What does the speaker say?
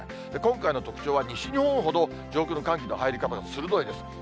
今回の特徴は、西日本ほど上空の寒気の入り方が鋭いです。